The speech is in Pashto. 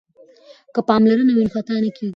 که پاملرنه وي نو خطا نه کیږي.